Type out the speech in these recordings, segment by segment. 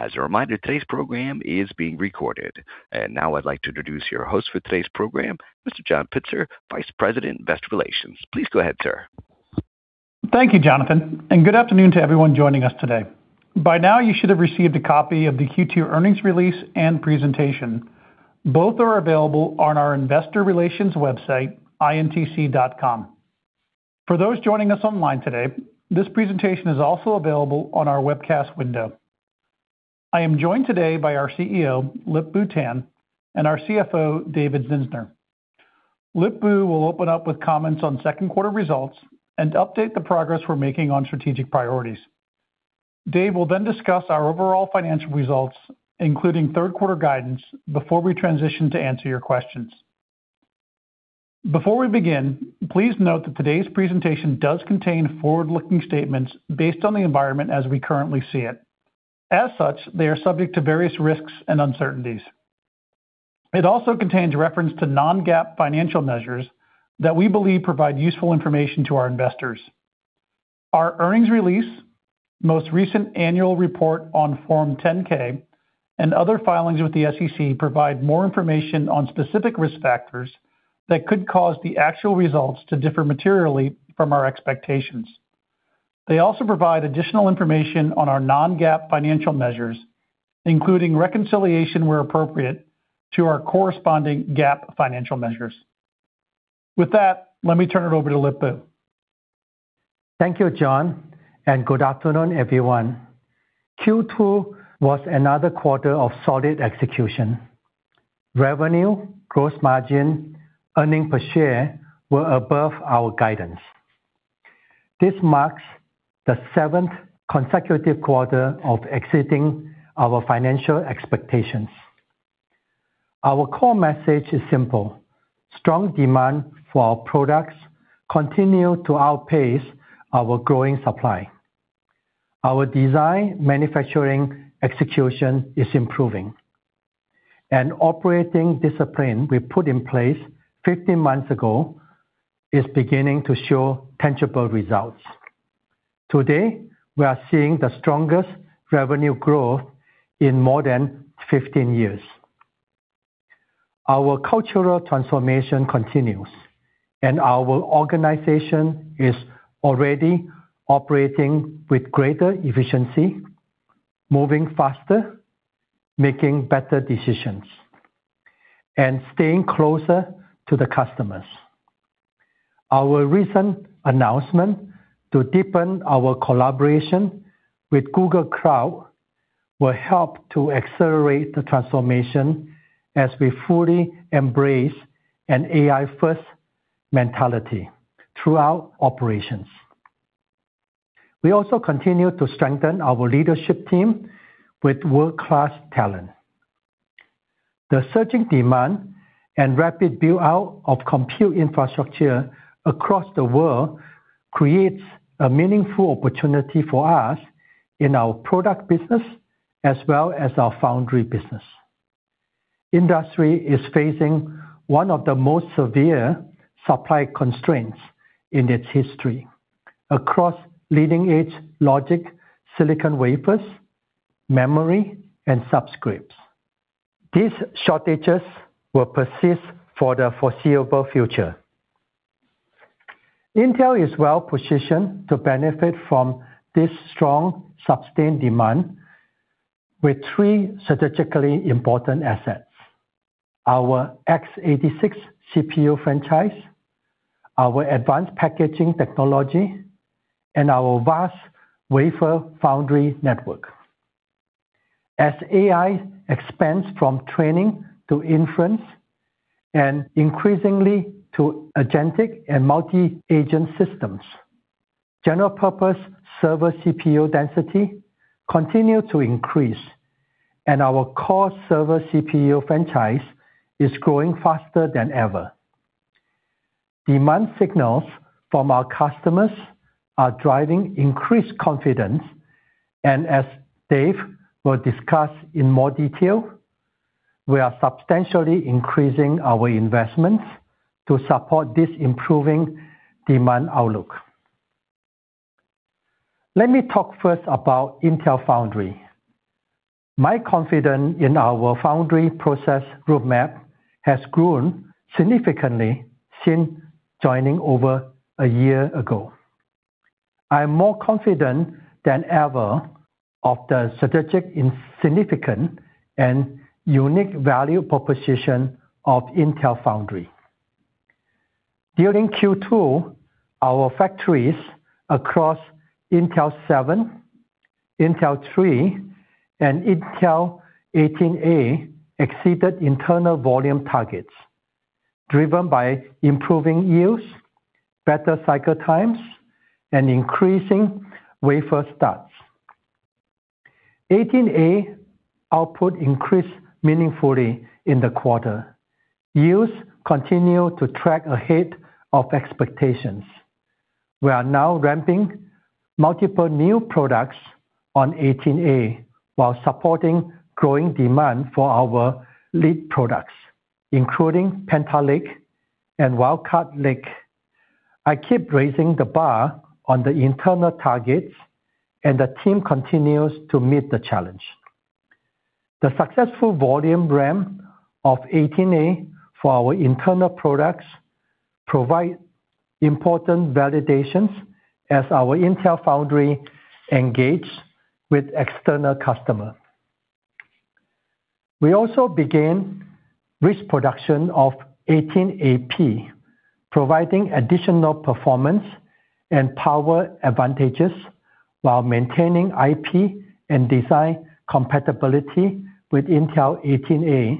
As a reminder, today's program is being recorded. Now I'd like to introduce your host for today's program, Mr. John Pitzer, Vice President, Investor Relations. Please go ahead, sir. Thank you, Jonathan. Good afternoon to everyone joining us today. By now, you should have received a copy of the Q2 earnings release and presentation. Both are available on our investor relations website, intc.com. For those joining us online today, this presentation is also available on our webcast window. I am joined today by our CEO, Lip-Bu Tan, and our CFO, David Zinsner. Lip-Bu will open up with comments on second quarter results and update the progress we're making on strategic priorities. Dave will then discuss our overall financial results, including third quarter guidance, before we transition to answer your questions. Before we begin, please note that today's presentation does contain forward-looking statements based on the environment as we currently see it. As such, they are subject to various risks and uncertainties. It also contains a reference to non-GAAP financial measures that we believe provide useful information to our investors. Our earnings release, most recent annual report on Form 10-K, and other filings with the SEC provide more information on specific risk factors that could cause the actual results to differ materially from our expectations. They also provide additional information on our non-GAAP financial measures, including reconciliation where appropriate to our corresponding GAAP financial measures. With that, let me turn it over to Lip-Bu. Thank you, John. Good afternoon, everyone. Q2 was another quarter of solid execution. Revenue, gross margin, earnings per share were above our guidance. This marks the seventh consecutive quarter of exceeding our financial expectations. Our core message is simple. Strong demand for our products continue to outpace our growing supply. Our design manufacturing execution is improving. Operating discipline we put in place 15 months ago is beginning to show tangible results. Today, we are seeing the strongest revenue growth in more than 15 years. Our cultural transformation continues. Our organization is already operating with greater efficiency, moving faster, making better decisions, and staying closer to the customers. Our recent announcement to deepen our collaboration with Google Cloud will help to accelerate the transformation as we fully embrace an AI-first mentality through our operations. We also continue to strengthen our leadership team with world-class talent. The surging demand and rapid build-out of compute infrastructure across the world creates a meaningful opportunity for us in our product business as well as our foundry business. Industry is facing one of the most severe supply constraints in its history across leading-edge logic, silicon wafers, memory, and substrates. These shortages will persist for the foreseeable future. Intel is well-positioned to benefit from this strong, sustained demand with three strategically important assets, our x86 CPU franchise, our advanced packaging technology, and our vast wafer foundry network. As AI expands from training to inference and increasingly to agentic and multi-agent systems, general purpose server CPU density continue to increase, and our core server CPU franchise is growing faster than ever. Demand signals from our customers are driving increased confidence, and as Dave will discuss in more detail, we are substantially increasing our investments to support this improving demand outlook. Let me talk first about Intel Foundry. My confidence in our foundry process roadmap has grown significantly since joining over a year ago. I am more confident than ever of the strategic significant and unique value proposition of Intel Foundry. During Q2, our factories across Intel 7, Intel 3, and Intel 18A exceeded internal volume targets, driven by improving yields, better cycle times, and increasing wafer starts. 18A output increased meaningfully in the quarter. Yields continue to track ahead of expectations. We are now ramping multiple new products on 18A while supporting growing demand for our lead products, including Panther Lake and Wildcat Lake. I keep raising the bar on the internal targets, and the team continues to meet the challenge. The successful volume ramp of 18A for our internal products provide important validations as our Intel Foundry engages with external customers. We also began risk production of 18A-P, providing additional performance and power advantages while maintaining IP and design compatibility with Intel 18A,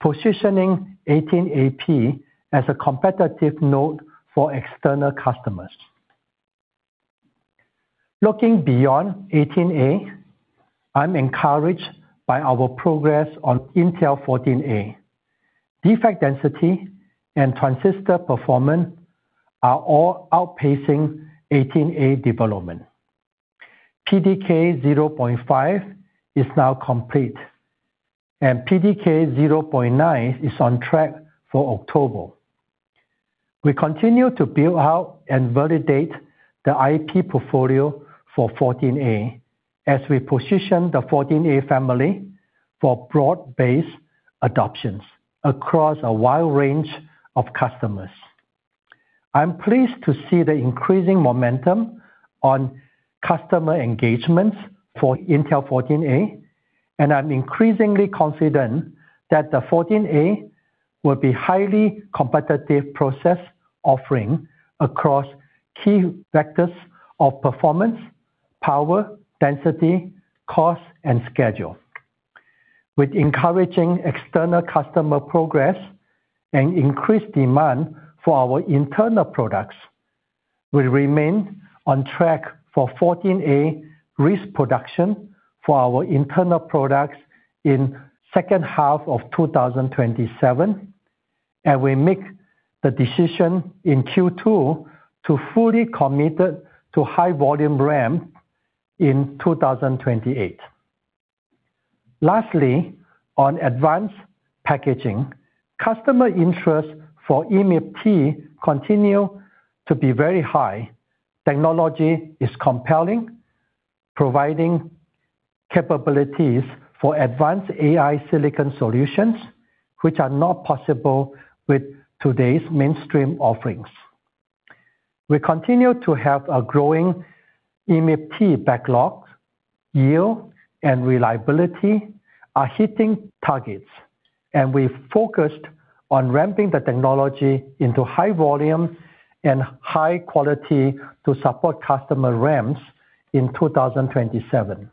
positioning 18A-P as a competitive node for external customers. Looking beyond 18A, I'm encouraged by our progress on Intel 14A. Defect density and transistor performance are all outpacing 18A development. PDK 0.5 is now complete, and PDK 0.9 is on track for October. We continue to build out and validate the IP portfolio for 14A as we position the 14A family for broad-based adoptions across a wide range of customers. I'm pleased to see the increasing momentum on customer engagements for Intel 14A, and I'm increasingly confident that the 14A will be highly competitive process offering across key vectors of performance, power, density, cost, and schedule. With encouraging external customer progress and increased demand for our internal products, we remain on track for 14A risk production for our internal products in the second half of 2027, and we make the decision in Q2 to fully commit to high volume ramp in 2028. Lastly, on advanced packaging, customer interest for EMIB-T continue to be very high. Technology is compelling, providing capabilities for advanced AI silicon solutions, which are not possible with today's mainstream offerings. We continue to have a growing EMIB-T backlog. Yield and reliability are hitting targets, and we're focused on ramping the technology into high volume and high quality to support customer ramps in 2027.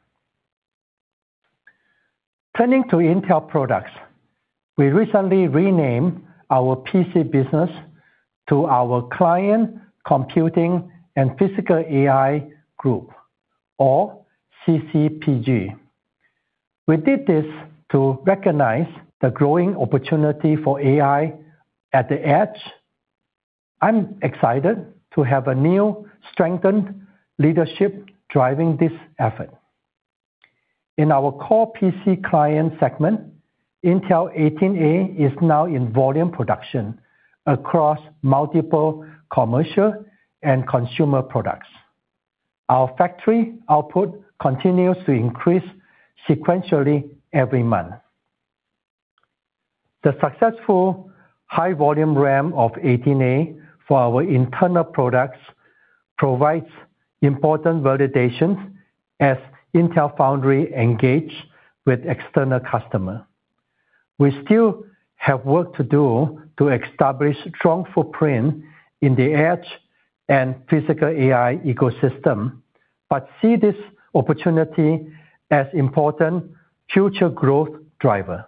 Turning to Intel products, we recently renamed our PC business to our Client Computing and Physical AI Group, or CCPG. We did this to recognize the growing opportunity for AI at the edge. I'm excited to have a new strengthened leadership driving this effort. In our core PC client segment, Intel 18A is now in volume production across multiple commercial and consumer products. Our factory output continues to increase sequentially every month. The successful high volume ramp of 18A for our internal products provides important validations as Intel Foundry engages with external customers. We still have work to do to establish a strong footprint in the edge and physical AI ecosystem but see this opportunity as important future growth driver.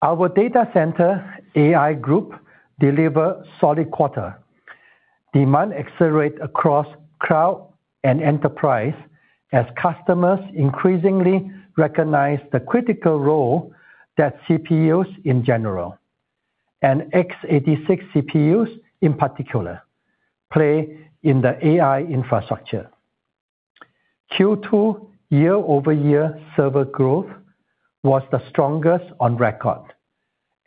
Our data center AI group delivered a solid quarter. Demand accelerated across cloud and enterprise as customers increasingly recognize the critical role that CPUs in general, and x86 CPUs in particular, play in the AI infrastructure. Q2 year-over-year server growth was the strongest on record,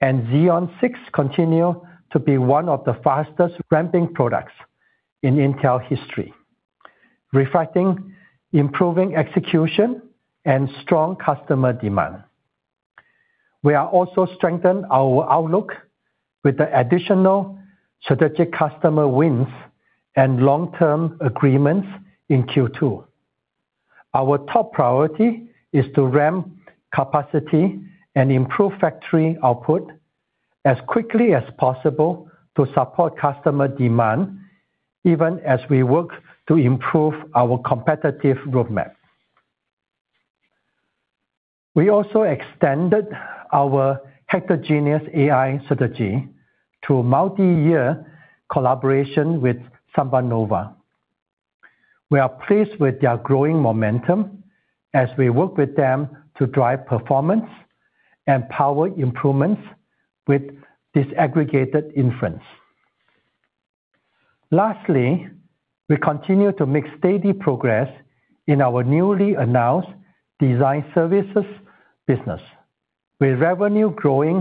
Xeon 6 continue to be one of the fastest ramping products in Intel history, reflecting improving execution and strong customer demand. We are also strengthening our outlook with the additional strategic customer wins and long-term agreements in Q2. Our top priority is to ramp capacity and improve factory output as quickly as possible to support customer demand, even as we work to improve our competitive roadmap. We also extended our heterogeneous AI strategy through a multi-year collaboration with SambaNova. We are pleased with their growing momentum as we work with them to drive performance and power improvements with disaggregated inference. Lastly, we continue to make steady progress in our newly announced design services business, with revenue growing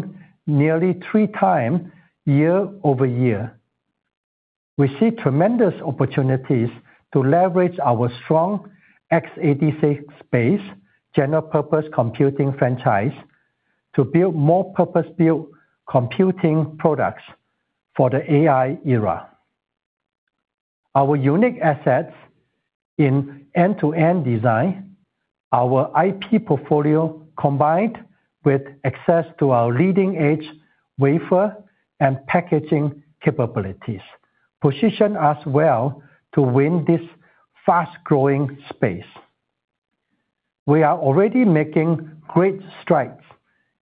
nearly 3x year-over-year. We see tremendous opportunities to leverage our strong x86-based general purpose computing franchise to build more purpose-built computing products for the AI era. Our unique assets in end-to-end design, our IP portfolio, combined with access to our leading-edge wafer and packaging capabilities, position us well to win this fast-growing space. We are already making great strides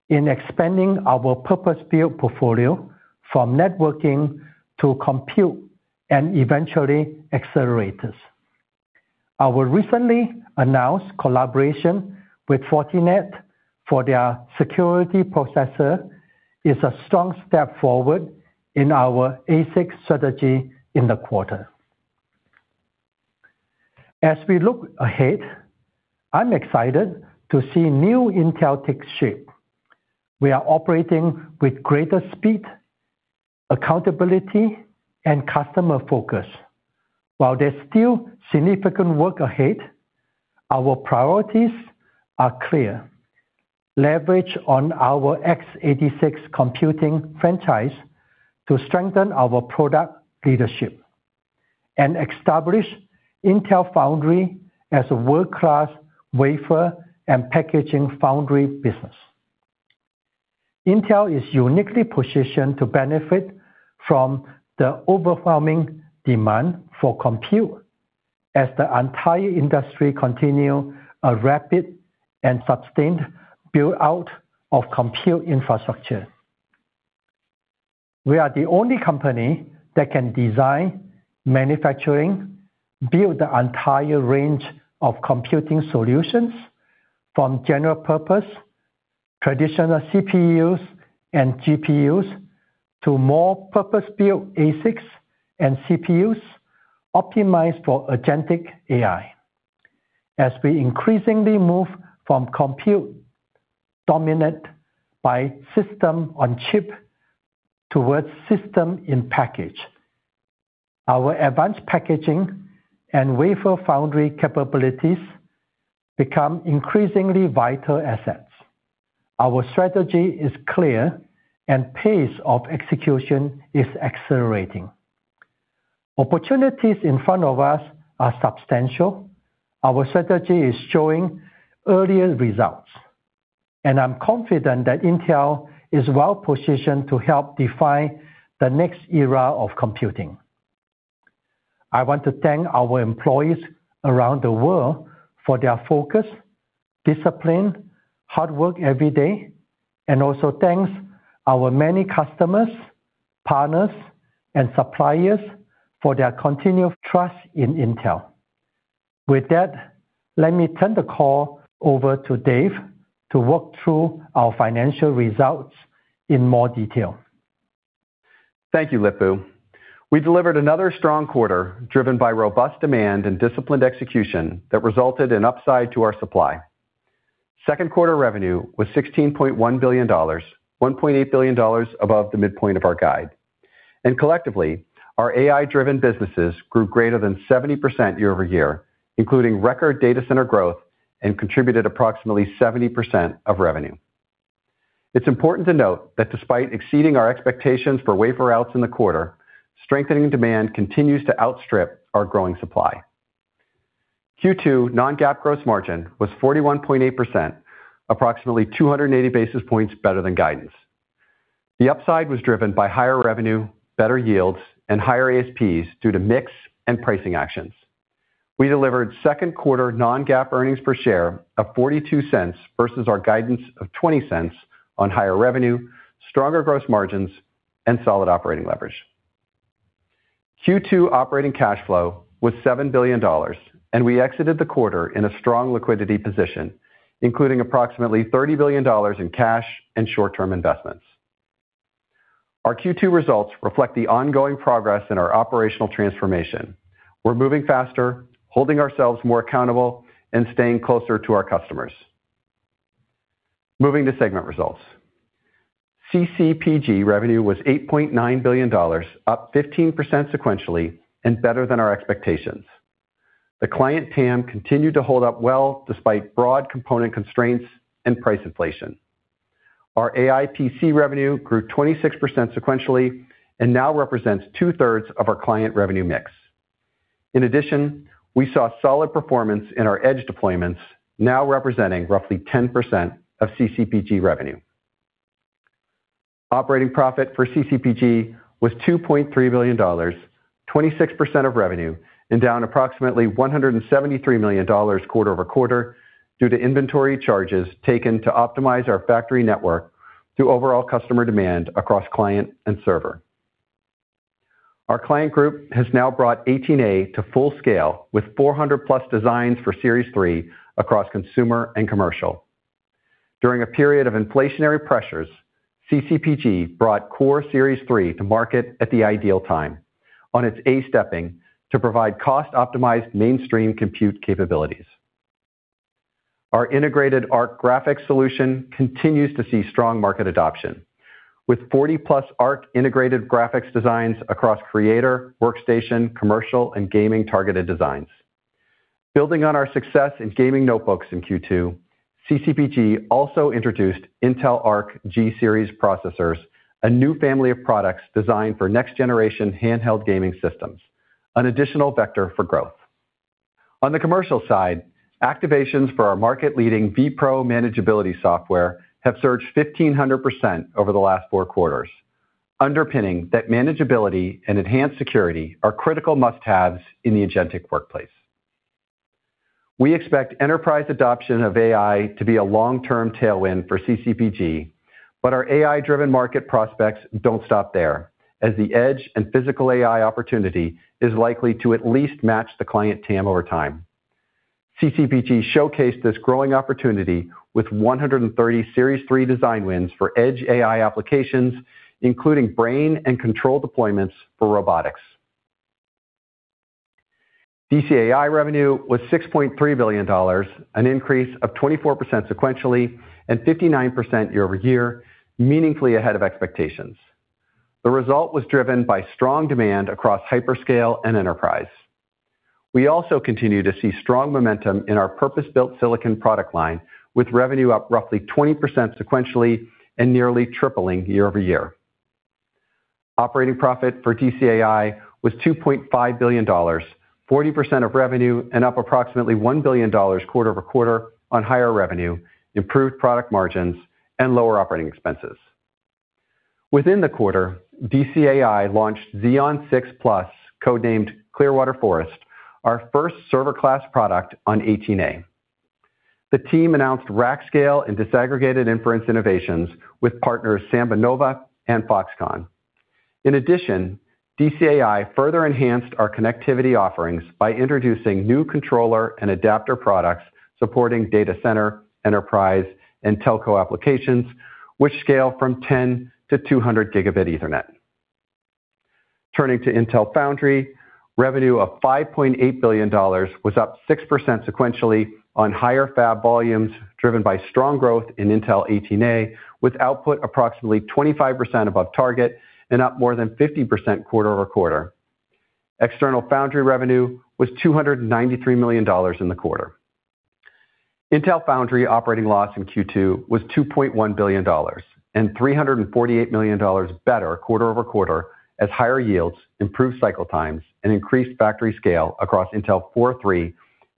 in expanding our purpose-built portfolio from networking to compute, and eventually accelerators. Our recently announced collaboration with Fortinet for their security processor is a strong step forward in our ASIC strategy in the quarter. As we look ahead, I'm excited to see new Intel take shape. We are operating with greater speed, accountability, and customer focus. While there's still significant work ahead, our priorities are clear. Leverage on our x86 computing franchise to strengthen our product leadership and establish Intel Foundry as a world-class wafer and packaging foundry business. Intel is uniquely positioned to benefit from the overwhelming demand for compute as the entire industry continue a rapid and sustained build-out of compute infrastructure. We are the only company that can design, manufacturing, build the entire range of computing solutions from general purpose, traditional CPUs and GPUs, to more purpose-built ASICs and CPUs optimized for agentic AI. As we increasingly move from compute dominant by system on chip towards system in package, our advanced packaging and wafer foundry capabilities become increasingly vital assets. Our strategy is clear and pace of execution is accelerating. Opportunities in front of us are substantial. Our strategy is showing early results, I'm confident that Intel is well-positioned to help define the next era of computing. I want to thank our employees around the world for their focus, discipline, hard work every day, and also thanks our many customers, partners, and suppliers for their continued trust in Intel. With that, let me turn the call over to Dave to walk through our financial results in more detail. Thank you, Lip-Bu. We delivered another strong quarter, driven by robust demand and disciplined execution that resulted in upside to our supply. Second quarter revenue was $16.1 billion, $1.8 billion above the midpoint of our guide. Collectively, our AI-driven businesses grew greater than 70% year-over-year, including record data center growth, and contributed approximately 70% of revenue. It's important to note that despite exceeding our expectations for wafer outs in the quarter, strengthening demand continues to outstrip our growing supply. Q2 non-GAAP gross margin was 41.8%, approximately 280 basis points better than guidance. The upside was driven by higher revenue, better yields, and higher ASPs due to mix and pricing actions. We delivered second quarter non-GAAP earnings per share of $0.42 versus our guidance of $0.20 on higher revenue, stronger gross margins, and solid operating leverage. Q2 operating cash flow was $7 billion. We exited the quarter in a strong liquidity position, including approximately $30 billion in cash and short-term investments. Our Q2 results reflect the ongoing progress in our operational transformation. We're moving faster, holding ourselves more accountable, and staying closer to our customers. Moving to segment results. CCPG revenue was $8.9 billion, up 15% sequentially and better than our expectations. The client TAM continued to hold up well despite broad component constraints and price inflation. Our AI PC revenue grew 26% sequentially and now represents two-thirds of our client revenue mix. In addition, we saw solid performance in our edge deployments, now representing roughly 10% of CCPG revenue. Operating profit for CCPG was $2.3 billion, 26% of revenue and down approximately $173 million quarter-over-quarter due to inventory charges taken to optimize our factory network through overall customer demand across client and server. Our client group has now brought 18A to full scale with 400+ designs for Series 3 across consumer and commercial. During a period of inflationary pressures, CCPG brought Core Series 3 to market at the ideal time on its [A] stepping to provide cost-optimized mainstream compute capabilities. Our integrated Arc graphics solution continues to see strong market adoption with 40+ Arc integrated graphics designs across creator, workstation, commercial, and gaming-targeted designs. Building on our success in gaming notebooks in Q2, CCPG also introduced Intel Arc G-Series processors, a new family of products designed for next-generation handheld gaming systems, an additional vector for growth. On the commercial side, activations for our market-leading vPro Manageability software have surged 1,500% over the last four quarters, underpinning that manageability and enhanced security are critical must-haves in the agentic workplace. We expect enterprise adoption of AI to be a long-term tailwind for CCPG. Our AI-driven market prospects don't stop there, as the edge and physical AI opportunity is likely to at least match the client TAM over time. CCPG showcased this growing opportunity with 130 Series 3 design wins for edge AI applications, including brain and control deployments for robotics. DCAI revenue was $6.3 billion, an increase of 24% sequentially and 59% year-over-year, meaningfully ahead of expectations. The result was driven by strong demand across hyperscale and enterprise. We also continue to see strong momentum in our purpose-built silicon product line, with revenue up roughly 20% sequentially and nearly tripling year-over-year. Operating profit for DCAI was $2.5 billion, 40% of revenue and up approximately $1 billion quarter-over-quarter on higher revenue, improved product margins, and lower operating expenses. Within the quarter, DCAI launched Xeon 6+, codenamed Clearwater Forest, our first server-class product on 18A. The team announced rack scale and disaggregated inference innovations with partners SambaNova and Foxconn. In addition, DCAI further enhanced our connectivity offerings by introducing new controller and adapter products supporting data center, enterprise, and telco applications, which scale from 10 GbE-200 GbE. Turning to Intel Foundry, revenue of $5.8 billion was up 6% sequentially on higher fab volumes driven by strong growth in Intel 18A, with output approximately 25% above target and up more than 50% quarter-over-quarter. External foundry revenue was $293 million in the quarter. Intel Foundry operating loss in Q2 was $2.1 billion and $348 million better quarter-over-quarter as higher yields improved cycle times and increased factory scale across Intel 4, Intel 3,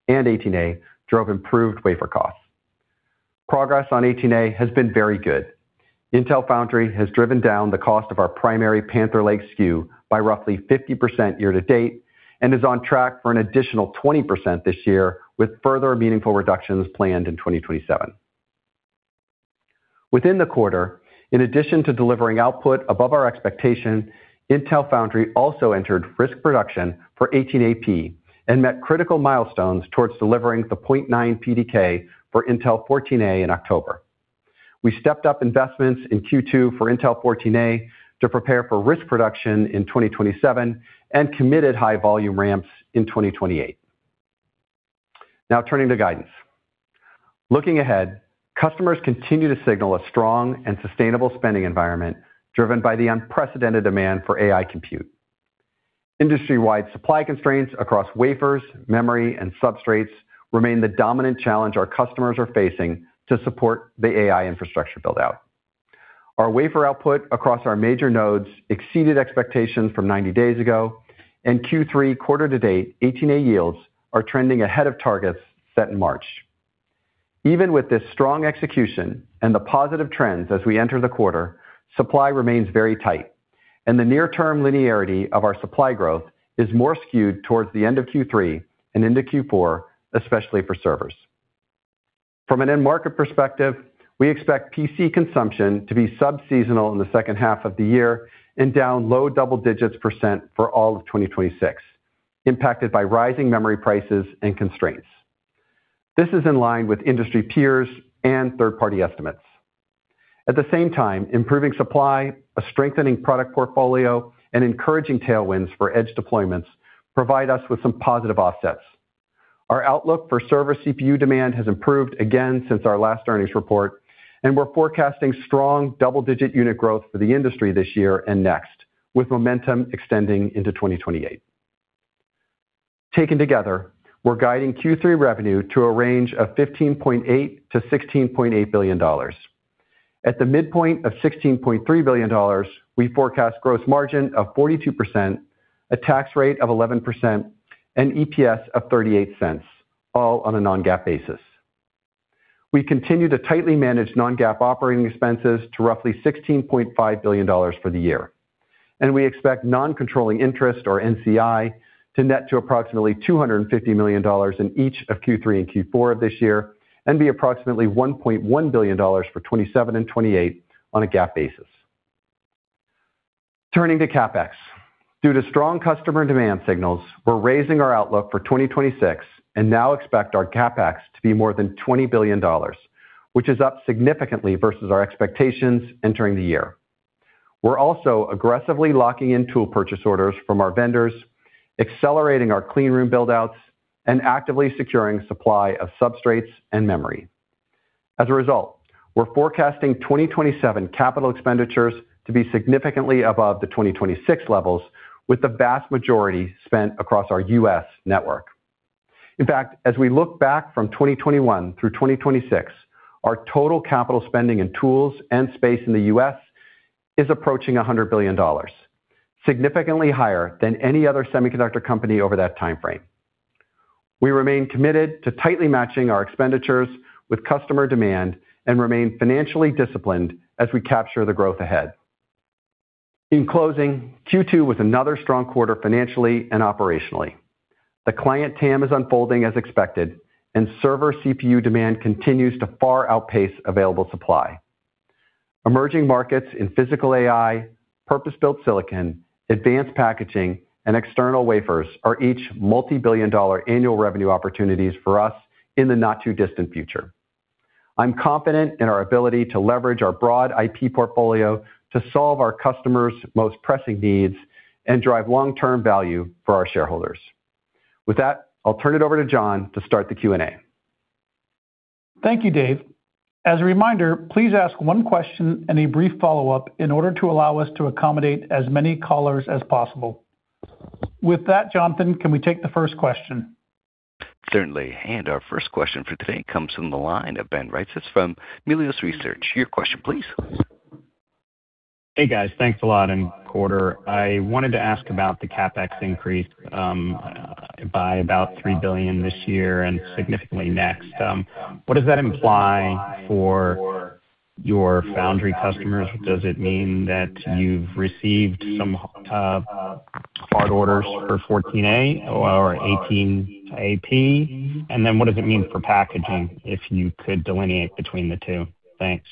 and 18A drove improved wafer costs. Progress on 18A has been very good. Intel Foundry has driven down the cost of our primary Panther Lake SKU by roughly 50% year-to-date and is on track for an additional 20% this year, with further meaningful reductions planned in 2027. Within the quarter, in addition to delivering output above our expectation, Intel Foundry also entered risk production for 18A-P and met critical milestones towards delivering the PDK 0.9 for Intel 14A in October. We stepped up investments in Q2 for Intel 14A to prepare for risk production in 2027 and committed high volume ramps in 2028. Now turning to guidance. Looking ahead, customers continue to signal a strong and sustainable spending environment driven by the unprecedented demand for AI compute. Industry-wide supply constraints across wafers, memory, and substrates remain the dominant challenge our customers are facing to support the AI infrastructure build-out. Our wafer output across our major nodes exceeded expectations from 90 days ago, and Q3 quarter-to-date 18A yields are trending ahead of targets set in March. Even with this strong execution and the positive trends as we enter the quarter, supply remains very tight, and the near-term linearity of our supply growth is more skewed towards the end of Q3 and into Q4, especially for servers. From an end-market perspective, we expect PC consumption to be sub-seasonal in the second half of the year and down low double-digits percent for all of 2026, impacted by rising memory prices and constraints. This is in line with industry peers and third-party estimates. At the same time, improving supply, a strengthening product portfolio, and encouraging tailwinds for edge deployments provide us with some positive offsets. Our outlook for server CPU demand has improved again since our last earnings report, and we're forecasting strong double-digit unit growth for the industry this year and next, with momentum extending into 2028. Taken together, we're guiding Q3 revenue to a range of $15.8 billion-$16.8 billion. At the midpoint of $16.3 billion, we forecast gross margin of 42%, a tax rate of 11%, and EPS of $0.38, all on a non-GAAP basis. We continue to tightly manage non-GAAP operating expenses to roughly $16.5 billion for the year, and we expect non-controlling interest, or NCI, to net to approximately $250 million in each of Q3 and Q4 of this year and be approximately $1.1 billion for 2027 and 2028 on a GAAP basis. Turning to CapEx. Due to strong customer demand signals, we're raising our outlook for 2026 and now expect our CapEx to be more than $20 billion, which is up significantly versus our expectations entering the year. We're also aggressively locking in tool purchase orders from our vendors, accelerating our clean room build-outs, and actively securing supply of substrates and memory. As a result, we're forecasting 2027 capital expenditures to be significantly above the 2026 levels, with the vast majority spent across our U.S. network. In fact, as we look back from 2021 through 2026, our total capital spending in tools and space in the U.S. is approaching $100 billion, significantly higher than any other semiconductor company over that timeframe. We remain committed to tightly matching our expenditures with customer demand and remain financially disciplined as we capture the growth ahead. In closing, Q2 was another strong quarter, financially and operationally. The client TAM is unfolding as expected, and server CPU demand continues to far outpace available supply. Emerging markets in physical AI, purpose-built silicon, advanced packaging, and external wafers are each multibillion-dollar annual revenue opportunities for us in the not-too-distant future. I'm confident in our ability to leverage our broad IP portfolio to solve our customers' most pressing needs and drive long-term value for our shareholders. With that, I'll turn it over to John to start the Q&A. Thank you, Dave. As a reminder, please ask one question and a brief follow-up in order to allow us to accommodate as many callers as possible. With that, Jonathan, can we take the first question? Certainly. Our first question for today comes from the line of Ben Reitzes from Melius Research. Your question please. Hey, guys. Thanks a lot. Quarter, I wanted to ask about the CapEx increase by about $3 billion this year and significantly next. What does that imply for your foundry customers? Does it mean that you've received some hard orders for Intel 14A or 18A-P? Then what does it mean for packaging, if you could delineate between the two? Thanks.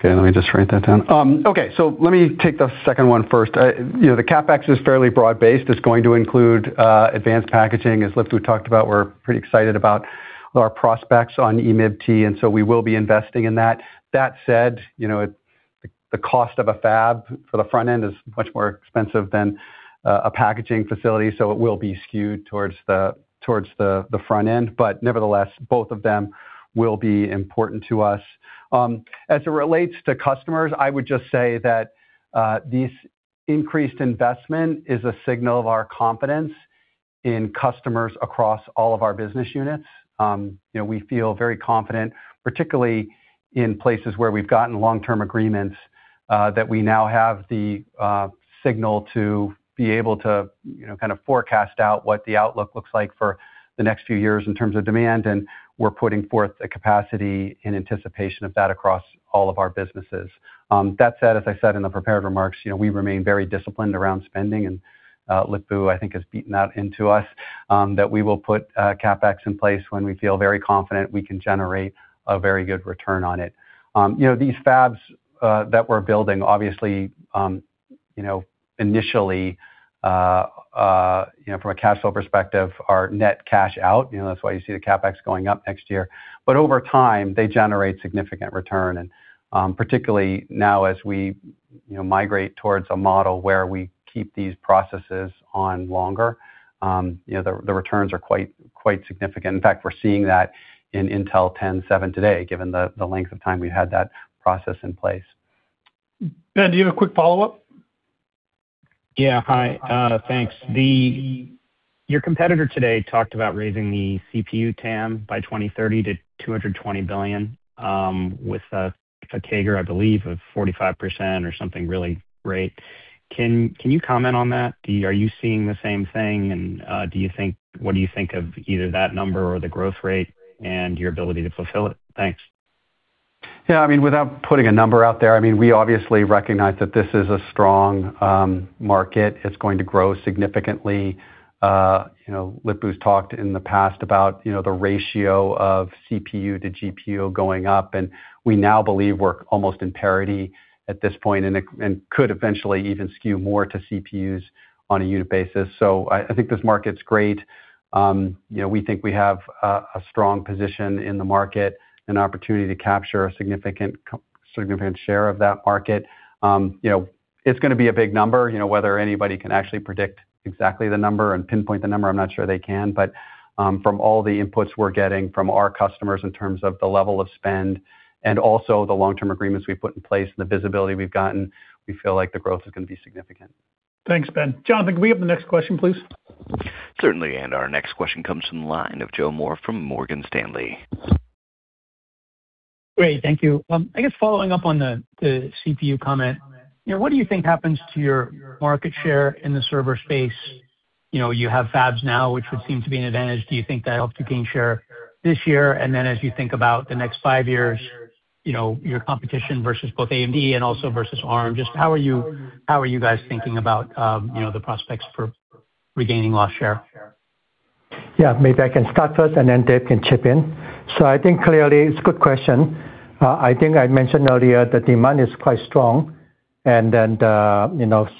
Okay, let me just write that down. Okay, let me take the second one first. The CapEx is fairly broad-based. It's going to include advanced packaging, as Lip-Bu talked about. We're pretty excited about our prospects on EMIB-T, we will be investing in that. That said, the cost of a fab for the front end is much more expensive than a packaging facility, so it will be skewed towards the front end. Nevertheless, both of them will be important to us. As it relates to customers, I would just say that this increased investment is a signal of our confidence in customers across all of our business units. We feel very confident, particularly in places where we've gotten long-term agreements, that we now have the signal to be able to forecast out what the outlook looks like for the next few years in terms of demand, we're putting forth the capacity in anticipation of that across all of our businesses. That said, as I said in the prepared remarks, we remain very disciplined around spending, Lip-Bu, I think, has beaten that into us, that we will put CapEx in place when we feel very confident we can generate a very good return on it. These fabs that we're building, obviously, initially, from a cash flow perspective, are net cash out. That's why you see the CapEx going up next year. Over time, they generate significant return, and particularly now as we migrate towards a model where we keep these processes on longer. The returns are quite significant. In fact, we're seeing that in Intel 7 today, given the length of time we had that process in place. Ben, do you have a quick follow-up? Yeah. Hi. Thanks. Your competitor today talked about raising the CPU TAM by 2030 to $220 billion with a CAGR, I believe, of 45% or something really great. Can you comment on that? Are you seeing the same thing, and what do you think of either that number or the growth rate and your ability to fulfill it? Thanks. Yeah, without putting a number out there, we obviously recognize that this is a strong market. It's going to grow significantly. Lip-Bu's talked in the past about the ratio of CPU to GPU going up, and we now believe we're almost in parity at this point and could eventually even skew more to CPUs on a unit basis. I think this market's great. We think we have a strong position in the market, an opportunity to capture a significant share of that market. It's going to be a big number. Whether anybody can actually predict exactly the number and pinpoint the number, I'm not sure they can. From all the inputs we're getting from our customers in terms of the level of spend and also the long-term agreements we've put in place and the visibility we've gotten, we feel like the growth is going to be significant. Thanks, Ben. Jonathan, can we have the next question, please? Certainly, Our next question comes from the line of Joe Moore from Morgan Stanley. Great. Thank you. I guess following up on the CPU comment. What do you think happens to your market share in the server space? You have fabs now, which would seem to be an advantage. Do you think that helps you gain share this year? Then as you think about the next five years, your competition versus both AMD and also versus Arm, just how are you guys thinking about the prospects for regaining lost share? Yeah, maybe I can start first, Then Dave can chip in. I think clearly it's a good question. I think I mentioned earlier the demand is quite strong in terms of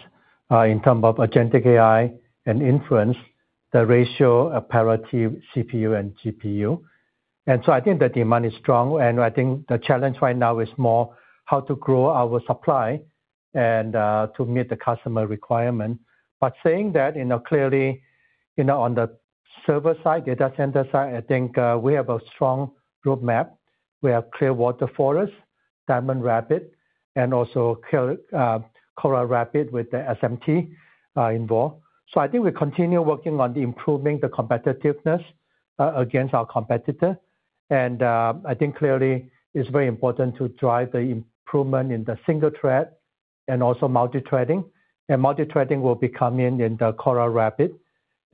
agentic AI and inference, the ratio parity CPU and GPU. I think the demand is strong, and I think the challenge right now is more how to grow our supply and to meet the customer requirement. Saying that, clearly, on the server side, data center side, I think we have a strong roadmap. We have Clearwater Forest, Diamond Rapids, and also Coral Rapids with the SMT involved. I think we continue working on improving the competitiveness against our competitor. I think clearly it's very important to drive the improvement in the single thread and also multithreading. Multithreading will be coming in the Coral Rapids.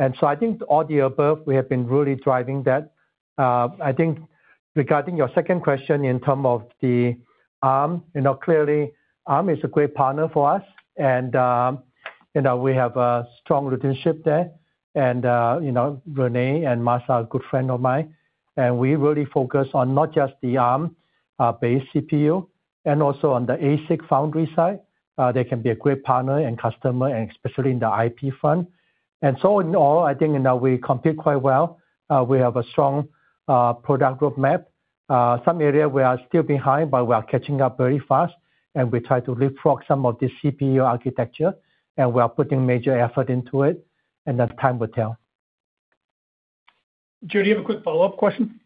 I think all the above, we have been really driving that. I think regarding your second question in terms of Arm, clearly Arm is a great partner for us and we have a strong relationship there. Rene and Marshall are good friends of mine, and we really focus on not just the Arm-based CPU and also on the ASIC foundry side. They can be a great partner and customer, especially in the IP front. In all, I think we compete quite well. We have a strong product roadmap. Some areas we are still behind, but we are catching up very fast and we try to leapfrog some of the CPU architecture, and we are putting major effort into it. Time will tell. Joe, do you have a quick follow-up question?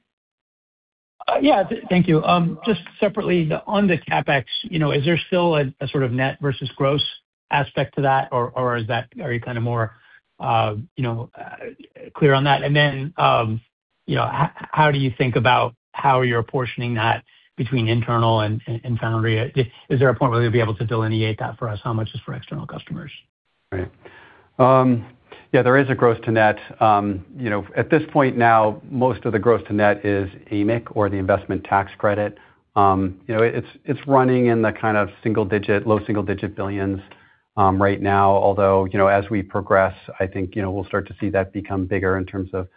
Thank you. Just separately on the CapEx, is there still a sort of net versus gross aspect to that, or are you more clear on that? How do you think about how you're apportioning that between internal and foundry? Is there a point where you'll be able to delineate that for us, how much is for external customers? There is a gross to net. At this point, most of the gross to net is AMIC or the investment tax credit. It's running in the kind of low single-digit billions right now, although, as we progress, I think we'll start to see that become bigger in terms of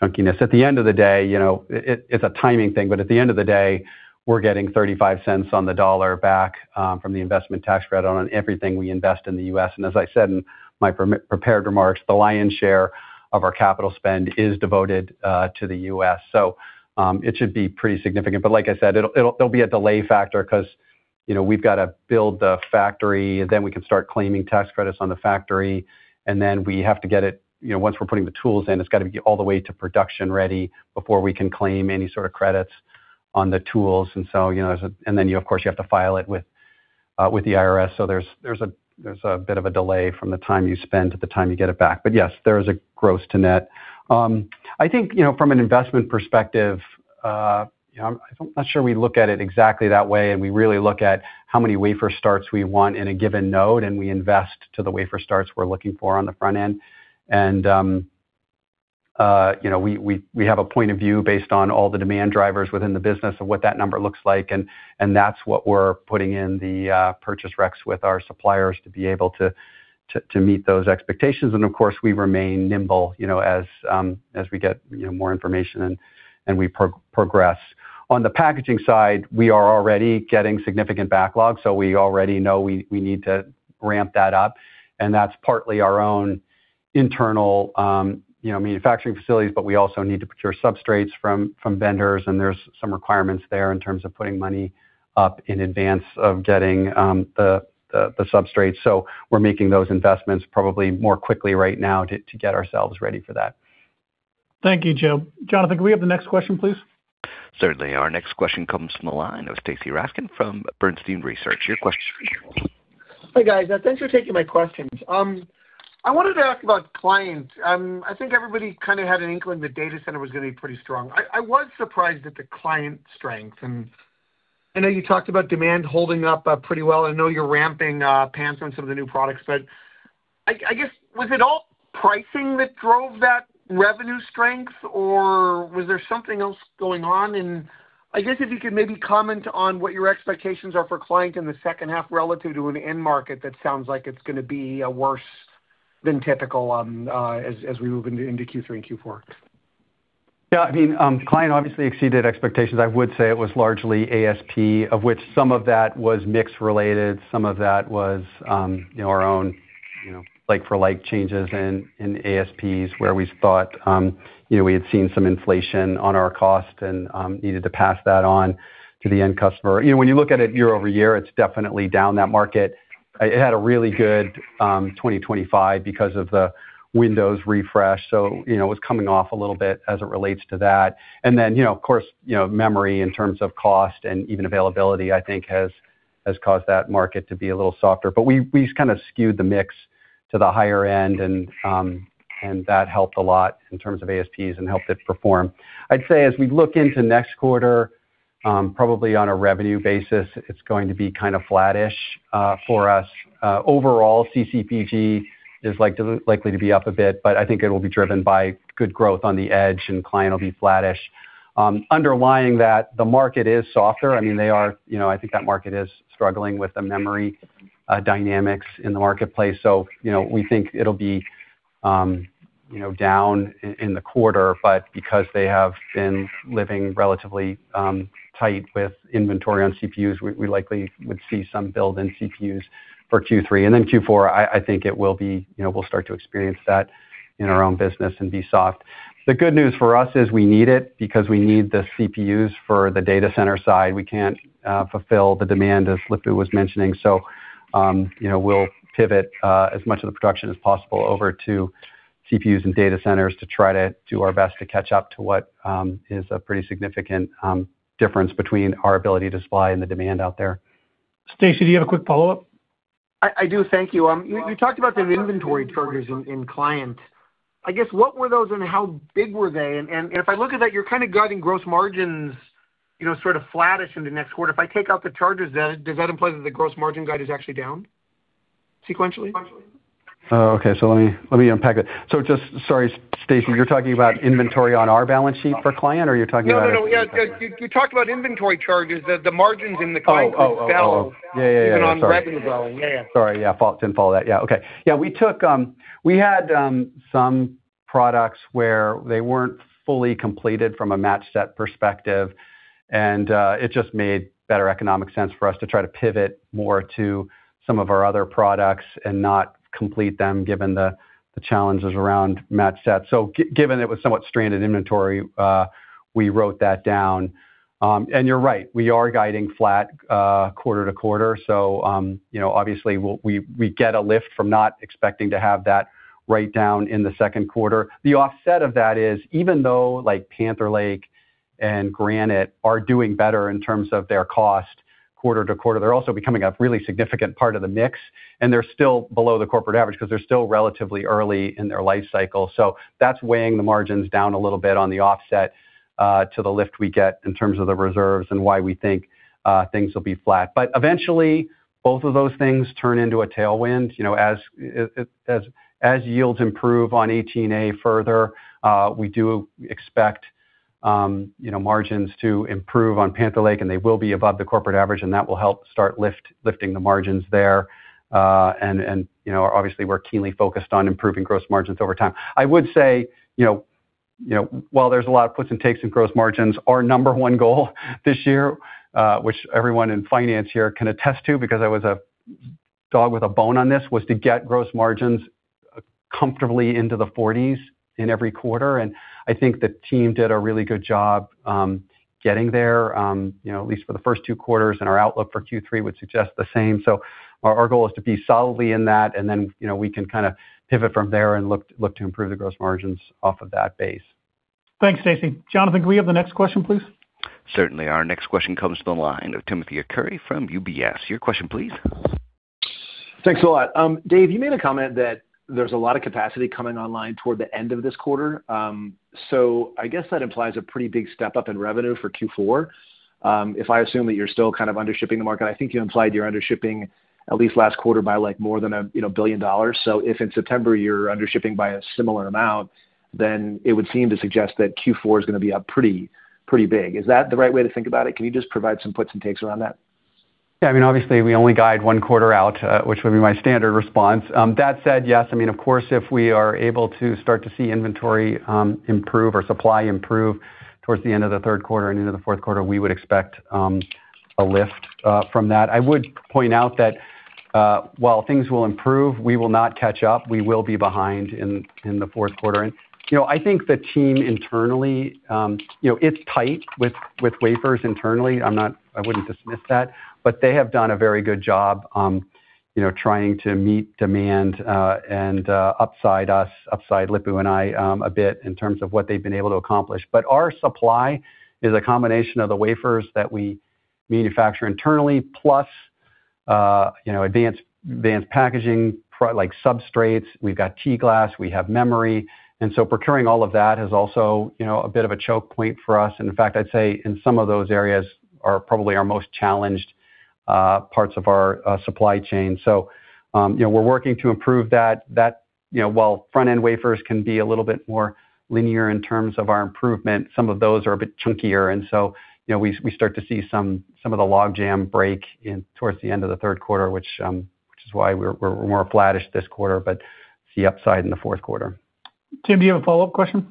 chunkiness. At the end of the day, it's a timing thing, but at the end of the day, we're getting $0.35 on the dollar back from the investment tax credit on everything we invest in the U.S. As I said in my prepared remarks, the lion's share of our capital spend is devoted to the U.S. It should be pretty significant, but like I said, there'll be a delay factor because we've got to build the factory, then we can start claiming tax credits on the factory, and then we have to get it, once we're putting the tools in, it's got to be all the way to production ready before we can claim any sort of credits on the tools. Then, of course, you have to file it with the IRS. There's a bit of a delay from the time you spend to the time you get it back. Yes, there is a gross to net. I think from an investment perspective, I'm not sure we look at it exactly that way, we really look at how many wafer starts we want in a given node, and we invest to the wafer starts we're looking for on the front end. We have a point of view based on all the demand drivers within the business of what that number looks like, and that's what we're putting in the purchase recs with our suppliers to be able to meet those expectations. Of course, we remain nimble as we get more information and we progress. On the packaging side, we are already getting significant backlogs, so we already know we need to ramp that up, and that's partly our own internal manufacturing facilities. We also need to procure substrates from vendors, and there's some requirements there in terms of putting money up in advance of getting the substrates. We're making those investments probably more quickly right now to get ourselves ready for that. Thank you, Joe. Jonathan, can we have the next question, please? Certainly. Our next question comes from the line of Stacy Rasgon from Bernstein Research. Your question. Hi, guys. Thanks for taking my questions. I wanted to ask about client. I think everybody had an inkling the data center was going to be pretty strong. I was surprised at the client strength, and I know you talked about demand holding up pretty well. I know you're ramping pants on some of the new products, I guess, was it all pricing that drove that revenue strength, or was there something else going on? I guess if you could maybe comment on what your expectations are for client in the second half relative to an end market that sounds like it's going to be worse than typical as we move into Q3 and Q4. Client obviously exceeded expectations. I would say it was largely ASP, of which some of that was mix related, some of that was our own like-for-like changes in ASPs where we thought we had seen some inflation on our cost and needed to pass that on to the end customer. When you look at it year-over-year, it's definitely down that market. It had a really good 2025 because of the Windows refresh. It was coming off a little bit as it relates to that. Then of course, memory in terms of cost and even availability, I think has caused that market to be a little softer. We've kind of skewed the mix to the higher end, and that helped a lot in terms of ASPs and helped it perform. I'd say as we look into next quarter, probably on a revenue basis, it's going to be kind of flattish for us. Overall, CCPG is likely to be up a bit, but I think it will be driven by good growth on the edge and client will be flattish. Underlying that, the market is softer. I think that market is struggling with the memory dynamics in the marketplace. We think it'll be down in the quarter, but because they have been living relatively tight with inventory on CPUs, we likely would see some build in CPUs for Q3. Then Q4, I think we'll start to experience that in our own business in V-Soft. The good news for us is we need it because we need the CPUs for the data center side. We can't fulfill the demand, as Lip-Bu was mentioning. We'll pivot as much of the production as possible over to CPUs and data centers to try to do our best to catch up to what is a pretty significant difference between our ability to supply and the demand out there. Stacy, do you have a quick follow-up? I do. Thank you. You talked about the inventory charges in client. I guess, what were those and how big were they? If I look at that, you're guiding gross margins sort of flattish in the next quarter. If I take out the charges, does that imply that the gross margin guide is actually down sequentially? Oh, okay. Let me unpack it. Just, sorry, Stacy, you're talking about inventory on our balance sheet for client, or you're talking about? No, yeah. You talked about inventory charges, the margins in the client. Oh, yeah. Yeah. Sorry. Even on revenue growing. Yeah. Sorry. Yeah. Didn't follow that. Yeah. Okay. Yeah, we had some products where they weren't fully completed from a match set perspective, and it just made better economic sense for us to try to pivot more to some of our other products and not complete them given the challenges around match set. Given it was somewhat stranded inventory, we wrote that down. You're right, we are guiding flat quarter-to-quarter. Obviously, we get a lift from not expecting to have that write-down in the second quarter. The offset of that is, even though Panther Lake and Granite are doing better in terms of their cost quarter-to-quarter, they're also becoming a really significant part of the mix, and they're still below the corporate average because they're still relatively early in their life cycle. That's weighing the margins down a little bit on the offset to the lift we get in terms of the reserves and why we think things will be flat. Eventually, both of those things turn into a tailwind. As yields improve on 18A further, we do expect margins to improve on Panther Lake, and they will be above the corporate average, and that will help start lifting the margins there. Obviously, we're keenly focused on improving gross margins over time. I would say, while there's a lot of puts and takes in gross margins, our number one goal this year, which everyone in finance here can attest to, because I was a dog with a bone on this, was to get gross margins comfortably into the 40%s in every quarter. I think the team did a really good job getting there, at least for the first two quarters, and our outlook for Q3 would suggest the same. Our goal is to be solidly in that, and then we can pivot from there and look to improve the gross margins off of that base. Thanks, Stacy. Jonathan, can we have the next question, please? Certainly. Our next question comes from the line of Timothy Arcuri from UBS. Your question, please. Thanks a lot. Dave, you made a comment that there's a lot of capacity coming online toward the end of this quarter. I guess that implies a pretty big step-up in revenue for Q4. If I assume that you're still undershipping the market, I think you implied you're undershipping at least last quarter by more than $1 billion. If in September you're undershipping by a similar amount, it would seem to suggest that Q4 is going to be up pretty big. Is that the right way to think about it? Can you just provide some puts and takes around that? Obviously, we only guide one quarter out, which would be my standard response. That said, yes, of course, if we are able to start to see inventory improve or supply improve towards the end of the third quarter and into the fourth quarter, we would expect a lift from that. I would point out that while things will improve, we will not catch up. We will be behind in the fourth quarter. I think the team internally, it's tight with wafers internally. I wouldn't dismiss that, but they have done a very good job trying to meet demand and upside us, upside Lip-Bu and I a bit in terms of what they've been able to accomplish. Our supply is a combination of the wafers that we manufacture internally, plus advanced packaging, like substrates. We've got T-glass, we have memory. Procuring all of that is also a bit of a choke point for us. In fact, I'd say in some of those areas are probably our most challenged parts of our supply chain. We're working to improve that. While front-end wafers can be a little bit more linear in terms of our improvement, some of those are a bit chunkier. We start to see some of the logjam break towards the end of the third quarter, which is why we're more flattish this quarter, but see upside in the fourth quarter. Tim, do you have a follow-up question?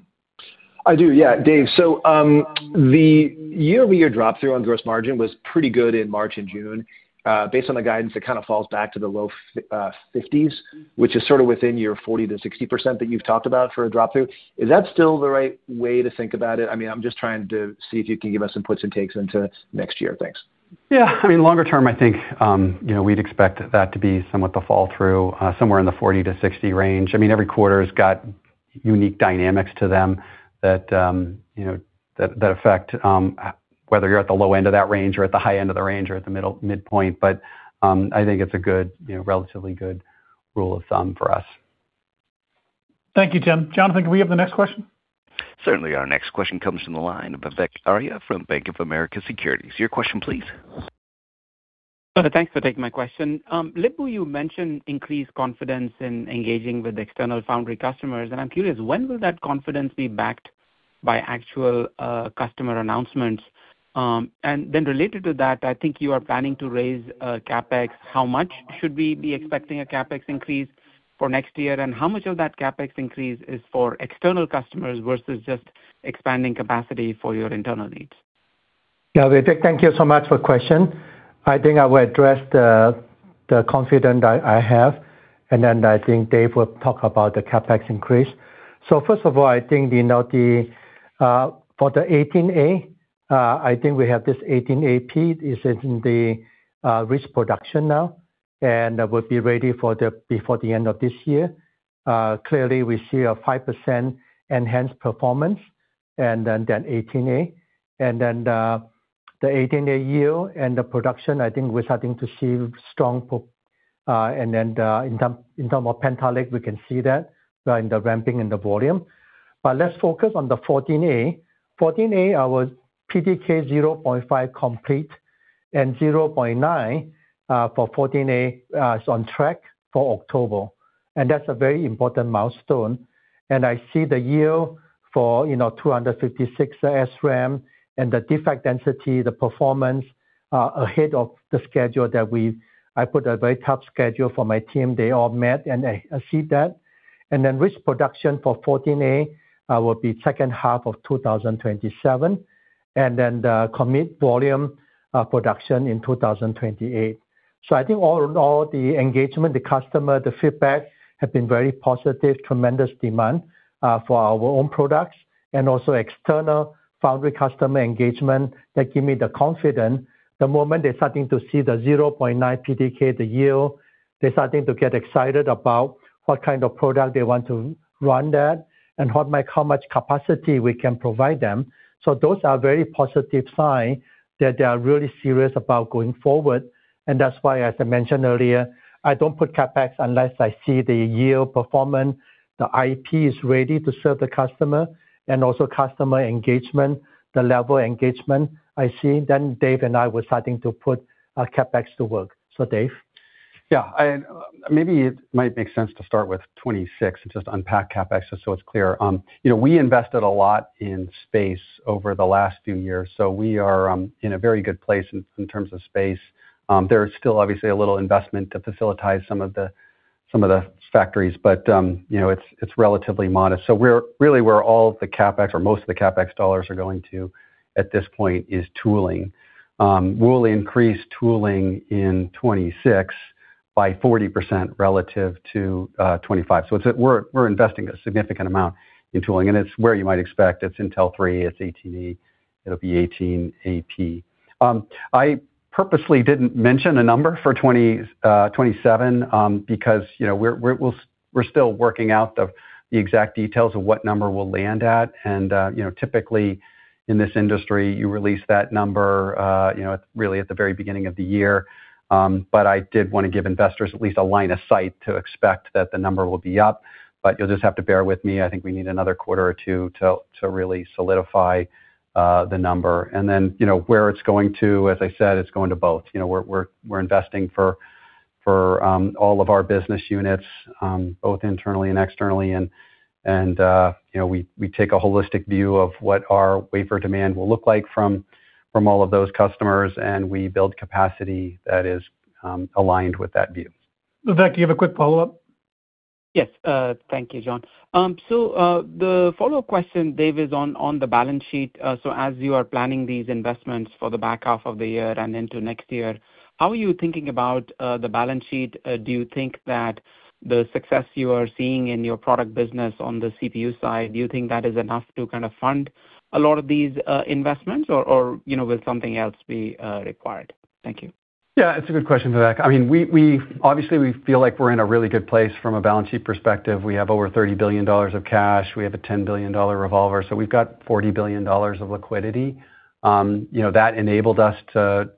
I do, yeah. Dave, the year-over-year drop-through on gross margin was pretty good in March and June. Based on the guidance, it falls back to the low 50%s, which is sort of within your 40%-60% that you've talked about for a drop-through. Is that still the right way to think about it? I'm just trying to see if you can give us some puts and takes into next year. Thanks. Yeah. Longer term, I think we'd expect that to be somewhat the fall-through, somewhere in the 40%-60% range. Every quarter's got unique dynamics to them that affect whether you're at the low end of that range, or at the high end of the range, or at the midpoint. I think it's a relatively good rule of thumb for us. Thank you, Tim. Jonathan, can we have the next question? Certainly. Our next question comes from the line of Vivek Arya from Bank of America Securities. Your question, please. Thanks for taking my question. Lip-Bu, you mentioned increased confidence in engaging with external foundry customers. I'm curious, when will that confidence be backed by actual customer announcements? Related to that, I think you are planning to raise CapEx. How much should we be expecting a CapEx increase for next year, and how much of that CapEx increase is for external customers versus just expanding capacity for your internal needs? Vivek, thank you so much for the question. I think I will address the confidence that I have. Then I think Dave will talk about the CapEx increase. First of all, I think for the 18A, I think we have this 18A-P is in the risk production now. That will be ready before the end of this year. Clearly, we see a 5% enhanced performance. Then 18A. The 18A yield and the production, I think we're starting to see strong. Then in term of Panther Lake, we can see that in the ramping and the volume. Let's focus on the 14A. 14A, our PDK 0.5 complete and PDK 0.9, for 14A, is on track for October. That's a very important milestone. I see the yield for 256 SRAM and the defect density, the performance, ahead of the schedule that I put a very tough schedule for my team. They all met. I see that. Risk production for 14A will be second half of 2027. Then the commit volume production in 2028. I think all in all, the engagement, the customer, the feedback have been very positive. Tremendous demand for our own products and also external foundry customer engagement that give me the confidence. The moment they're starting to see the PDK 0.9, the yield, they're starting to get excited about what kind of product they want to run that and how much capacity we can provide them. Those are very positive sign that they are really serious about going forward. That's why, as I mentioned earlier, I don't put CapEx unless I see the yield performance, the IP is ready to serve the customer, and also customer engagement, the level of engagement I see. Dave and I, we're starting to put CapEx to work. Dave? Yeah. Maybe it might make sense to start with 2026 and just unpack CapEx just so it's clear. We invested a lot in space over the last few years, so we are in a very good place in terms of space. There is still obviously a little investment to facilitize some of the factories, but it's relatively modest. Really, where all the CapEx or most of the CapEx dollars are going to, at this point, is tooling. We'll increase tooling in 2026 by 40% relative to 2025. We're investing a significant amount in tooling, and it's where you might expect. It's Intel 3, it's 18A, it'll be 18A-P. I purposely didn't mention a number for 2027, because we're still working out the exact details of what number we'll land at. Typically in this industry, you release that number really at the very beginning of the year. I did want to give investors at least a line of sight to expect that the number will be up. You'll just have to bear with me. I think we need another quarter or two to really solidify the number. Then, where it's going to, as I said, it's going to both. We're investing for all of our business units, both internally and externally, and we take a holistic view of what our wafer demand will look like from all of those customers, and we build capacity that is aligned with that view. Vivek, do you have a quick follow-up? Yes. Thank you, John. The follow-up question, Dave, is on the balance sheet. As you are planning these investments for the back half of the year and into next year, how are you thinking about the balance sheet? Do you think that the success you are seeing in your product business on the CPU side, do you think that is enough to fund a lot of these investments, or will something else be required? Thank you. Yeah. It's a good question, Vivek. Obviously, we feel like we're in a really good place from a balance sheet perspective. We have over $30 billion of cash. We have a $10 billion revolver. We've got $40 billion of liquidity. That enabled us to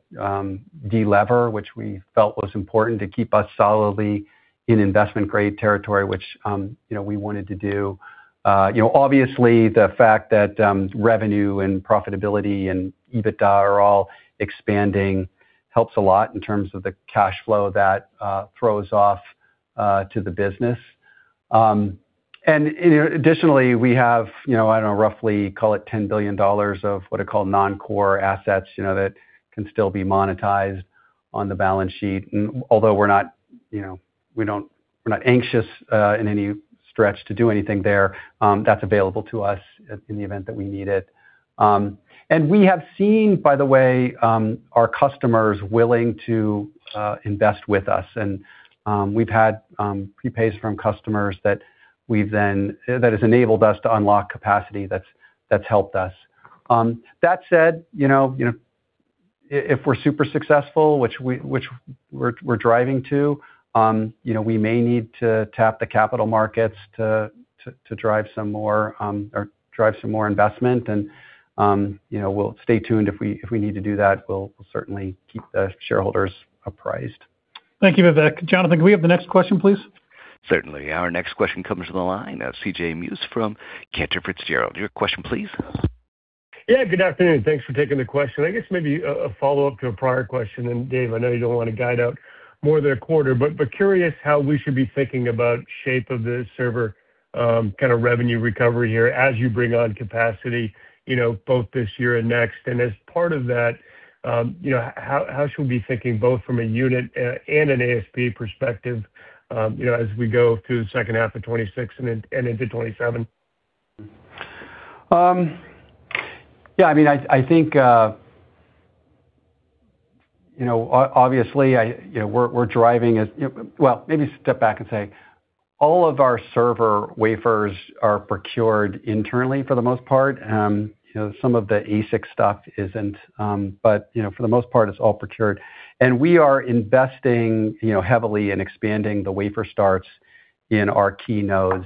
de-lever, which we felt was important to keep us solidly in investment-grade territory, which we wanted to do. Obviously, the fact that revenue and profitability and EBITDA are all expanding helps a lot in terms of the cash flow that throws off to the business. Additionally, we have, I don't know, roughly call it $10 billion of what I call non-core assets, that can still be monetized on the balance sheet. Although we're not anxious in any stretch to do anything there, that's available to us in the event that we need it. We have seen, by the way, our customers willing to invest with us, and we've had prepays from customers that has enabled us to unlock capacity that's helped us. That said, if we're super successful, which we're driving to, we may need to tap the capital markets to drive some more investment, and we'll stay tuned. If we need to do that, we'll certainly keep the shareholders apprised. Thank you, Vivek. Jonathan, can we have the next question, please? Certainly. Our next question comes from the line of CJ Muse from Cantor Fitzgerald. Your question, please. Yeah, good afternoon. Thanks for taking the question. I guess maybe a follow-up to a prior question. Dave, I know you don't want to guide out more than a quarter, but curious how we should be thinking about shape of the server, kind of revenue recovery here as you bring on capacity, both this year and next. As part of that, how should we be thinking both from a unit and an ASP perspective, as we go through the second half of 2026 and into 2027? Yeah, I think, obviously, we're driving. Well, maybe step back and say all of our server wafers are procured internally for the most part. Some of the ASIC stuff isn't. For the most part, it's all procured. We are investing heavily in expanding the wafer starts in our key nodes.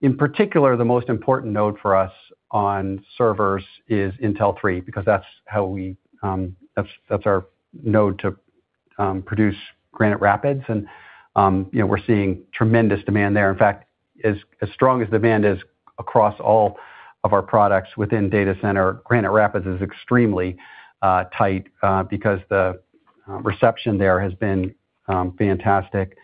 In particular, the most important node for us on servers is Intel 3, because that's our node to produce Granite Rapids and we're seeing tremendous demand there. In fact, as strong as demand is across all of our products within data center, Granite Rapids is extremely tight, because the reception there has been fantastic.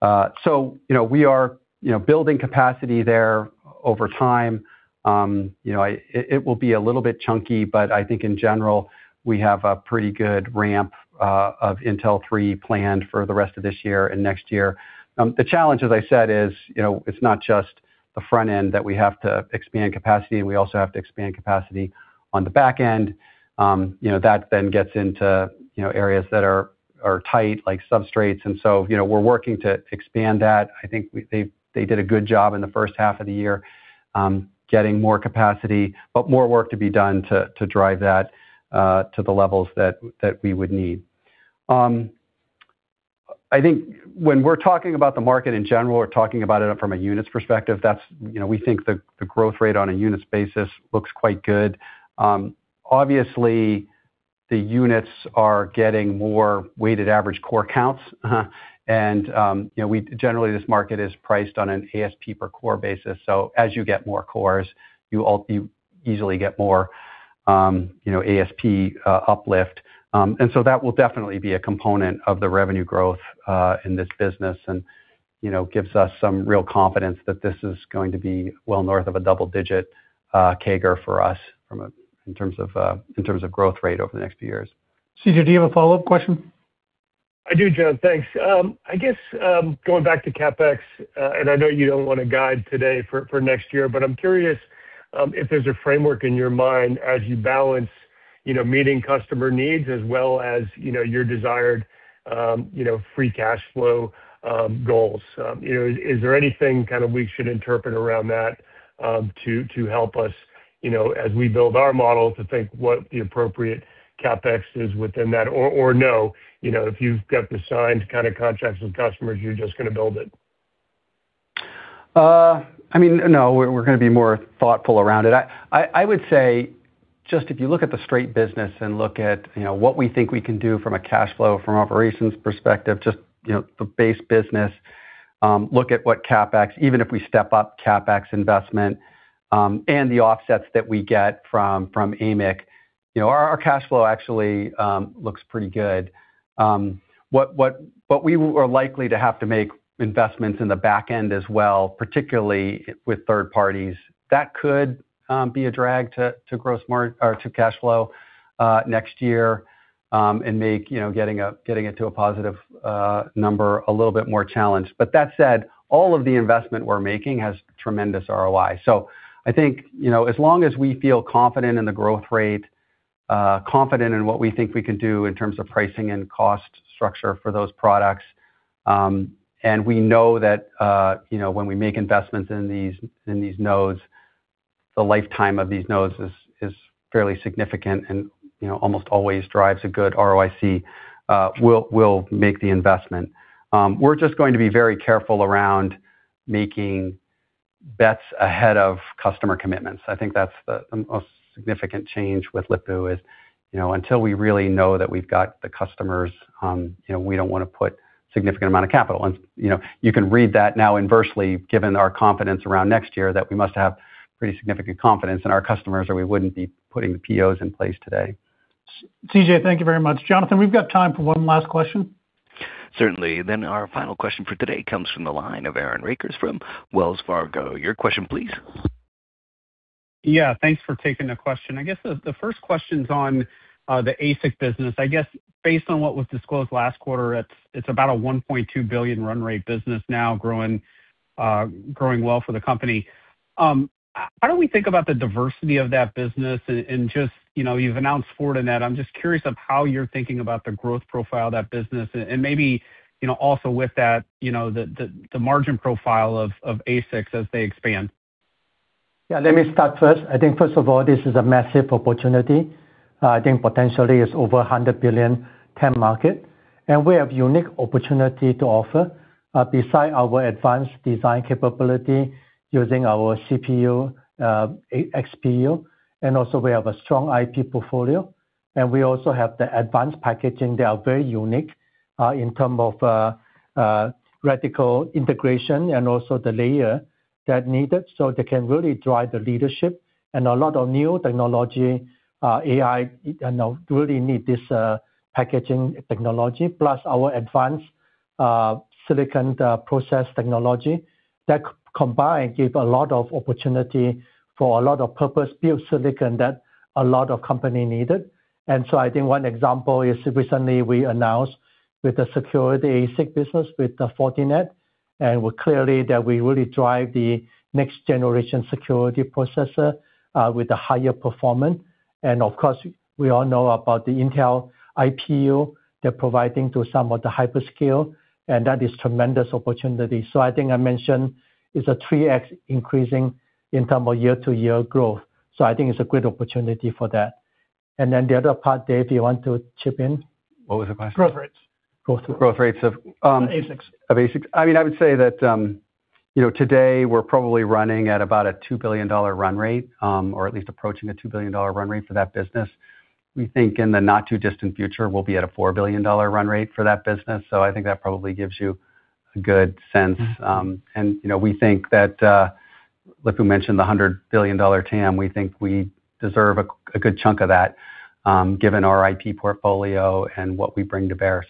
We are building capacity there over time. It will be a little bit chunky, but I think in general, we have a pretty good ramp of Intel 3 planned for the rest of this year and next year. The challenge, as I said, is it's not just the front end that we have to expand capacity. We also have to expand capacity on the back end. That then gets into areas that are tight, like substrates, and so we're working to expand that. I think they did a good job in the first half of the year getting more capacity, but more work to be done to drive that to the levels that we would need. I think when we're talking about the market in general, we're talking about it from a units perspective. We think the growth rate on a units basis looks quite good. Obviously, the units are getting more weighted average core counts. Generally, this market is priced on an ASP per core basis, so as you get more cores, you easily get more ASP uplift. That will definitely be a component of the revenue growth, in this business and gives us some real confidence that this is going to be well north of a double-digit CAGR for us in terms of growth rate over the next few years. CJ, do you have a follow-up question? I do, John. Thanks. I guess, going back to CapEx, I know you don't want to guide today for next year, I'm curious if there's a framework in your mind as you balance meeting customer needs as well as your desired free cash flow goals. Is there anything we should interpret around that to help us, as we build our model to think what the appropriate CapEx is within that? No, if you've got the signed contracts with customers, you're just going to build it. No, we're going to be more thoughtful around it. I would say, just if you look at the straight business and look at what we think we can do from a cash flow, from operations perspective, just the base business, look at what CapEx, even if we step up CapEx investment, and the offsets that we get from AMIC. Our cash flow actually looks pretty good. We are likely to have to make investments in the back end as well, particularly with third parties. That could be a drag to cash flow, next year, and make getting it to a positive number a little bit more challenged. That said, all of the investment we're making has tremendous ROI. I think, as long as we feel confident in the growth rate, confident in what we think we can do in terms of pricing and cost structure for those products, and we know that when we make investments in these nodes, the lifetime of these nodes is fairly significant and almost always drives a good ROIC, we'll make the investment. We're just going to be very careful around making bets ahead of customer commitments. I think that's the most significant change with Lip-Bu is, until we really know that we've got the customers, we don't want to put significant amount of capital. You can read that now inversely, given our confidence around next year, that we must have pretty significant confidence in our customers, or we wouldn't be putting the POs in place today. CJ, thank you very much. Jonathan, we've got time for one last question. Certainly. Our final question for today comes from the line of Aaron Rakers from Wells Fargo. Your question please. Yeah. Thanks for taking the question. I guess the first question's on the ASIC business. I guess based on what was disclosed last quarter, it's about a $1.2 billion run rate business now growing well for the company. How do we think about the diversity of that business and just, you've announced Fortinet and that, I'm just curious of how you're thinking about the growth profile of that business and, maybe, also with that, the margin profile of ASICs as they expand. Let me start first. I think first of all, this is a massive opportunity. I think potentially it's over $100 billion TAM market, and we have unique opportunity to offer, beside our advanced design capability using our CPU, XPU, and also we have a strong IP portfolio, and we also have the advanced packaging that are very unique in terms of radical integration and also the layer that needed, so they can really drive the leadership and a lot of new technology, AI, and really need this packaging technology, plus our advanced silicon process technology. That combined give a lot of opportunity for a lot of purpose-built silicon that a lot of company needed. I think one example is recently we announced with the security ASIC business with Fortinet, and clearly that we really drive the next generation security processor with a higher performance. Of course, we all know about the Intel IPU they're providing to some of the hyperscale, and that is tremendous opportunity. I think I mentioned it's a 3x increasing in term of year-over-year growth. I think it's a great opportunity for that. The other part, Dave, do you want to chip in? What was the question? Growth rates. Growth rates. Growth rates. Of ASICs. Of ASICs. I would say that today we're probably running at about a $2 billion run rate, or at least approaching a $2 billion run rate for that business. We think in the not too distant future we'll be at a $4 billion run rate for that business. I think that probably gives you a good sense. We think that, Lip-Bu mentioned the $100 billion TAM, we think we deserve a good chunk of that given our IP portfolio and what we bring to bear.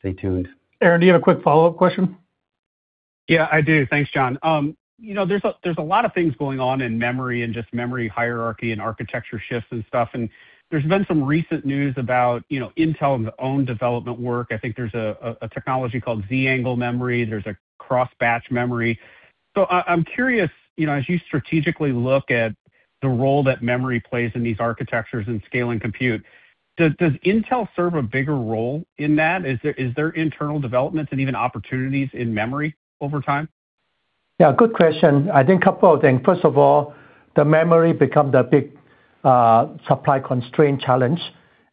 Stay tuned. Aaron, do you have a quick follow-up question? Yeah, I do. Thanks, John. There's a lot of things going on in memory and just memory hierarchy and architecture shifts and stuff, and there's been some recent news about Intel's own development work. I think there's a technology called Z-Angle Memory. There's a Cross-Batch Memory. I'm curious, as you strategically look at the role that memory plays in these architectures in scale and compute, does Intel serve a bigger role in that? Is there internal developments and even opportunities in memory over time? Yeah, good question. I think a couple of things. First of all, the memory become the big supply constraint challenge,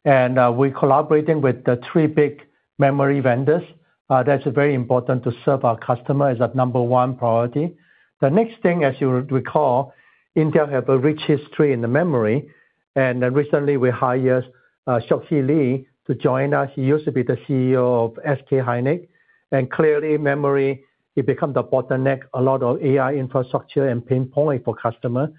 and we collaborating with the three big memory vendors. That's very important to serve our customer, is our number one priority. The next thing, as you recall, Intel have a rich history in the memory, and then recently we hired Seok-Hee Lee to join us. He used to be the CEO of SK hynix. Clearly memory, it become the bottleneck, a lot of AI infrastructure and pinpoint for customer.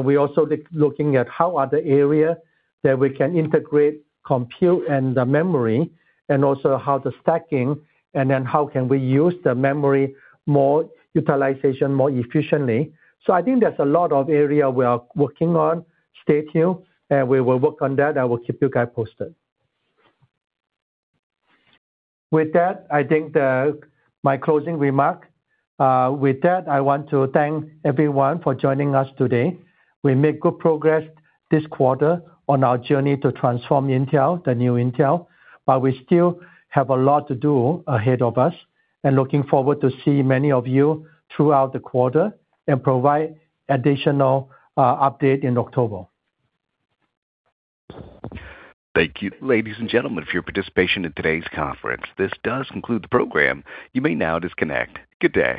We also looking at how other area that we can integrate, compute, and the memory, and also how the stacking, and then how can we use the memory more utilization, more efficiently. I think there's a lot of area we are working on. Stay tuned, and we will work on that, and we'll keep you guys posted. With that, I think my closing remark. With that, I want to thank everyone for joining us today. We make good progress this quarter on our journey to transform Intel, the new Intel, but we still have a lot to do ahead of us, and looking forward to see many of you throughout the quarter and provide additional update in October. Thank you, ladies and gentlemen, for your participation in today's conference. This does conclude the program. You may now disconnect. Good day